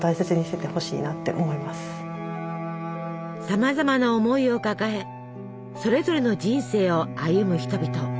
さまざまな思いを抱えそれぞれの人生を歩む人々。